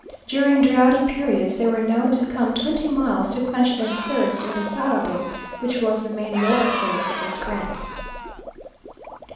During drouthy periods they were known to come twenty miles to quench their thirst in the Salado, which was the main watercourse of this grant.